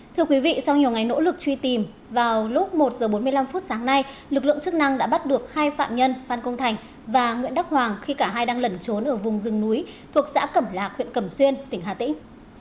thưa quý vị sau nhiều ngày nỗ lực truy tìm vào lúc một h bốn mươi năm phút sáng nay lực lượng chức năng đã bắt được hai phạm nhân phan công thành và nguyễn đắc hoàng khi cả hai đang lẩn trốn ở vùng rừng núi thuộc xã cẩm lạc huyện cẩm xuyên tỉnh hà tĩnh